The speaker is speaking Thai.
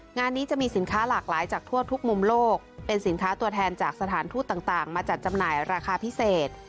งานนี้จะมีสินค้าหลากหลายจากทั่วทุกมุมโลกเป็นสินค้าตัวแทนจากสถานทูตต่างมาจัดจำหน่ายราคาพิเศษ